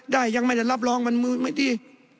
ได้ยังไม่ได้รับรองมันไม่ดี